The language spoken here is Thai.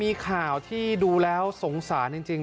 มีข่าวที่ดูแล้วสงสารจริง